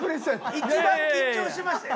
一番緊張してましたよ。